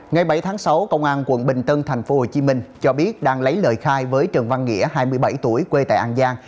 ngày bảy tháng sáu công an quận bình tân tp hcm cho biết đang lấy lời khai với trần văn nghĩa hai mươi bảy tuổi quê tại an giang